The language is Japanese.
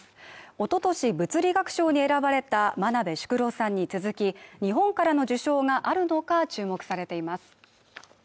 おととし物理学賞に選ばれた真鍋淑郎さんに続き、日本からの受賞があるのか注目されています。